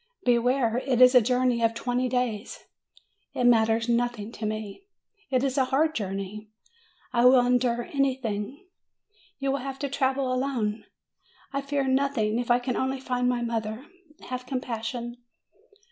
"Beware; it is a journey of twenty days." "It matters nothing to me." "It is a hard journey." "I will endure everything." "You will have to travel alone." "I fear nothing, if I can only find my mother. Have compassion!"